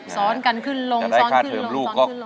ซ้อนกันขึ้นลงซ้อนขึ้นลงซ้อนขึ้นลง